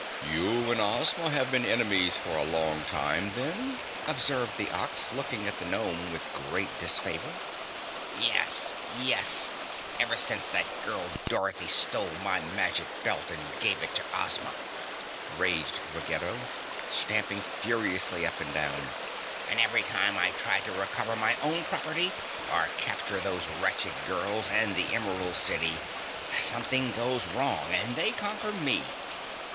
"You and Ozma have been enemies for a long time, then?" observed the Ox, looking at the Gnome with great disfavor. "Yes, yes, ever since that girl Dorothy stole my magic belt and gave it to Ozma," raged Ruggedo, stamping furiously up and down. "And every time I try to recover my own property, or capture those wretched girls and the Emerald City, something goes wrong and they conquer ME!